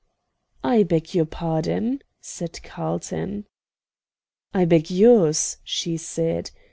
"I beg your pardon," said Carlton. "I beg yours," she said.